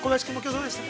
どうでしたか？